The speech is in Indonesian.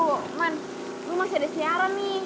aduh man lu masih ada siaran nih